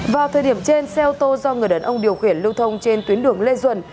vào thời điểm trên xe ô tô do người đàn ông điều khiển lưu thông trên tuyến đường lê duẩn